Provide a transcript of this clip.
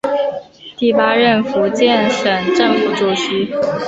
第八任福建省政府主席。